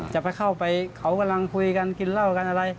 จะไปเข้าไปเขากำลังคุยกันกินเหล้ากันอะไร